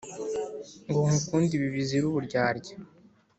Ngo nkukunde ibi bizira uburyarya